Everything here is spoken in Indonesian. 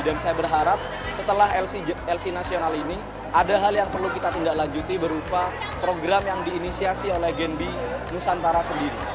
dan saya berharap setelah lc nasional ini ada hal yang perlu kita tindak lanjuti berupa program yang diinisiasi oleh genb nusantara sendiri